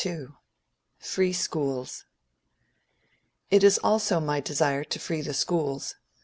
II. FREE SCHOOLS It is also my desire to free the schools.